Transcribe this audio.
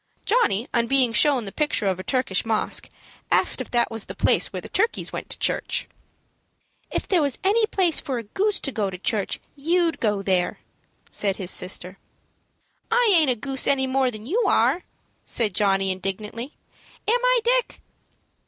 Johnny, on being shown the picture of a Turkish mosque, asked if that was the place where the turkeys went to church. "If there was any place for a goose to go to church, you'd go there," said his sister. "I aint a goose any more than you are," said Johnny, indignantly; "am I, Dick?"